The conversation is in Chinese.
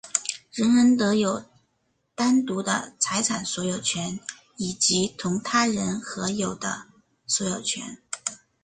人人得有单独的财产所有权以及同他人合有的所有权。